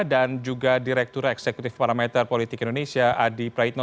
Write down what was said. dan juga direktur eksekutif parameter politik indonesia adi praitno